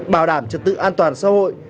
bảo đảm trật tự an toàn xã hội